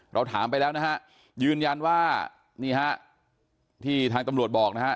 เราถามไปแล้วนะฮะยืนยันว่านี่ฮะที่ทางตำรวจบอกนะฮะ